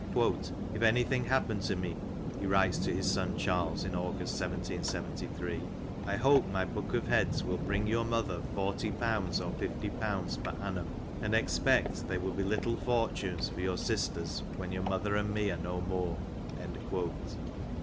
^* If anything happen mo,^ he writes to his son Charles, in August 1773: ^'I hope my Book of Heads will bring ^' your mother forty pounds or fifty pounds per annum, and expect ^^ they will be little fortunes for your sisters when your mother and "me are no more.'"